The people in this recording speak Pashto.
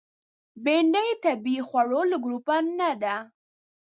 بېنډۍ د طبیعي خوړو له ګروپ نه ده